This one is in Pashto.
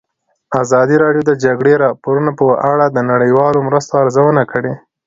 ازادي راډیو د د جګړې راپورونه په اړه د نړیوالو مرستو ارزونه کړې.